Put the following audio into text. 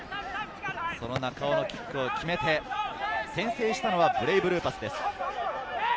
中尾がキックを決めて先制したのはブレイブルーパスです。